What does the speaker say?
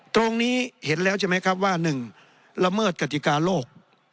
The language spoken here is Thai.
ตรงนี้เห็นแล้วใช่ไหมครับว่า๑ละเมิดกติกาโลก